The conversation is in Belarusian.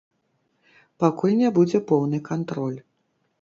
Пакуль не будзе поўны кантроль.